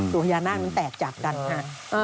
พญานาคนั้นแตกจากกันค่ะ